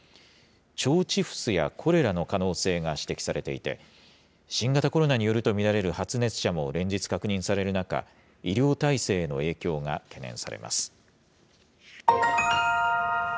腸チフスやコレラの可能性が指摘されていて、新型コロナによると見られる発熱者も連日確認される中、医療体制への影響が懸念されます。